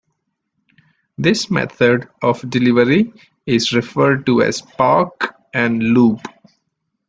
This method of delivery is referred to as "park and loop".